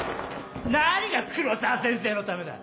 何が黒沢先生のためだ！